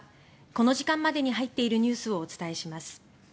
この時間までに入っているニュースをお伝えします。